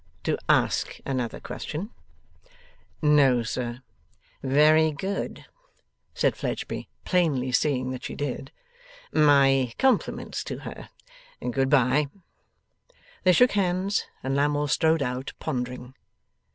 To ask another question.' 'No, sir.' 'Very good,' said Fledgeby, plainly seeing that she did. 'My compliments to her. Good bye!' They shook hands, and Lammle strode out pondering.